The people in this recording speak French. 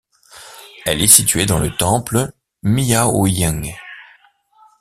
Elle est située dans le temple Miaoying.